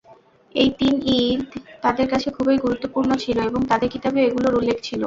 এই তিন ঈদ তাদের কাছে খুবই গুরুত্বপূর্ণ ছিল এবং তাদের কিতাবে এগুলোর উল্লেখ ছিল।